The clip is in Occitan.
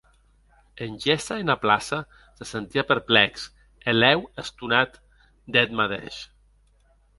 En gésser ena plaça, se sentie perplèx e lèu estonat d'eth madeish.